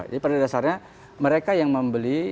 jadi pada dasarnya mereka yang membeli